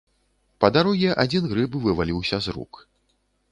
Па дарозе адзін грыб вываліўся з рук.